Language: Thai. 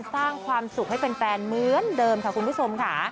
สร้างความสุขให้แฟนเหมือนเดิมค่ะคุณผู้ชมค่ะ